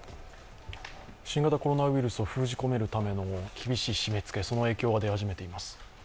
新型コロナウイルスを封じ込めるための厳しい締めつけその影響が出始めています。